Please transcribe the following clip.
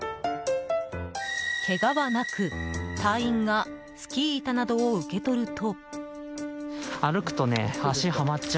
けがはなく、隊員がスキー板などを受け取ると。